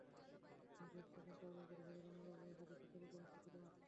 কিন্তু শেষ পর্যন্ত টাইব্রেকারে হেরে রানারআপ হয়েছে দেশের সর্বকনিষ্ঠ ফিদে মাস্টার।